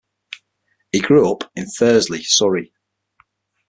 He grew up in Thursley, Surrey.